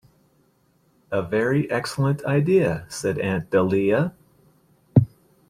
"A very excellent idea," said Aunt Dahlia.